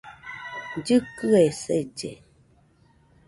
Llɨkɨe selle